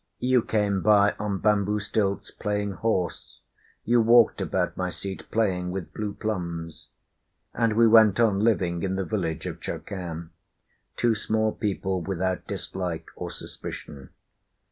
You came by on bamboo stilts, playing horse, You walked about my seat, playing with blue plums. And we went on living in the village of Chokan: Two small people, without dislike or suspicion.